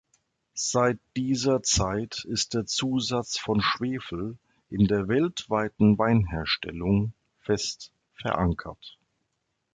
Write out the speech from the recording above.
Seit dieser Zeit ist der Zusatz von Schwefel in der weltweiten Weinherstellung fest verankert.